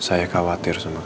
kalau papa tidak aire air